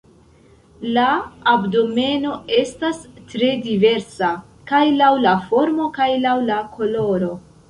La abdomeno estas tre diversa, kaj laŭ la formo kaj laŭ la koloro.